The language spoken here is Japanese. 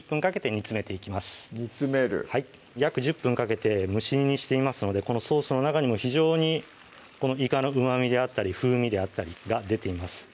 煮詰める約１０分かけて蒸し煮にしていますのでこのソースの中にも非常にこのいかのうまみであったり風味であったりが出ています